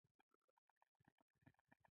دوی سیاست د استخباراتي پروژې په توګه پرمخ وړي.